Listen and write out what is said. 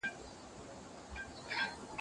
په عمل کې مادیتپال دی.